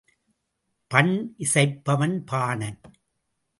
பண் இசைப்பவன் பாணன்.